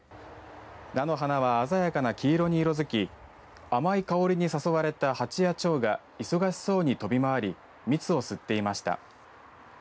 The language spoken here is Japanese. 菜の花は鮮やかな黄色に色づき甘い香りに誘われたハチやチョウが忙しそうに飛び回り蜜を吸っていました。